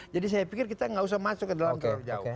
jadi saya pikir kita tidak usah masuk ke dalam terjauh